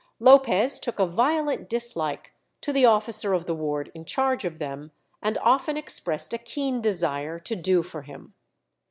Lopez took a violent dislike to the officer of the ward in charge of them, and often expressed a keen desire to do for him.